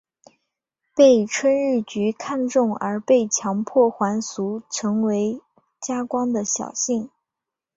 被春日局看中而被强迫还俗成为家光的小姓。